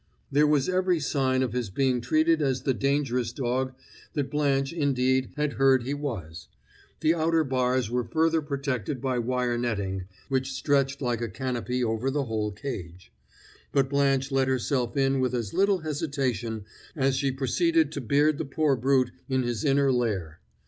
There was every sign of his being treated as the dangerous dog that Blanche, indeed, had heard he was; the outer bars were further protected by wire netting, which stretched like a canopy over the whole cage; but Blanche let herself in with as little hesitation as she proceeded to beard the poor brute in his inner lair.